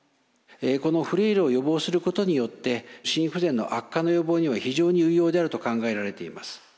このフレイルを予防することによって心不全の悪化の予防には非常に有用であると考えられています。